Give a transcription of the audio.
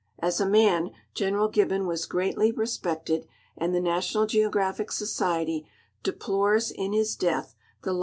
.\s a man, General (Jibbon was greatly respected, ami The Natinnal (ieographic Society deplores in his death the lo.